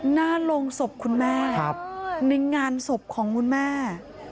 หน้าโรงศพคุณแม่ในงานศพของคุณแม่